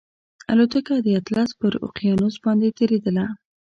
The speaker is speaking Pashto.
الوتکه د اطلس پر اقیانوس باندې تېرېدله